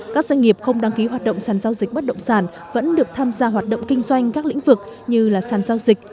các doanh nghiệp không đăng ký hoạt động sản giao dịch bất động sản vẫn được tham gia hoạt động kinh doanh các lĩnh vực như là sàn giao dịch